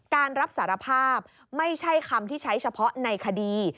การรับสารภาพไม่ใช่คำที่ใช้เฉพาะในคดี